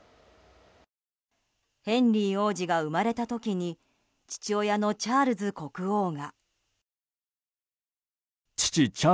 ヘンリー王子が生まれた時に父親のチャールズ国王が。